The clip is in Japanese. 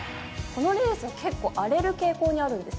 このレースは結構荒れる傾向にあるんですか？